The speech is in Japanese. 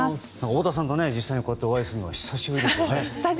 太田さん、実際にお会いするのは久しぶりですね。